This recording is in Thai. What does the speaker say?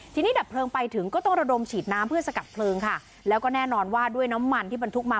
ทีนี้ดับเพลิงไปถึงก็ต้องระดมฉีดน้ำเพื่อสกัดเพลิงค่ะแล้วก็แน่นอนว่าด้วยน้ำมันที่บรรทุกมา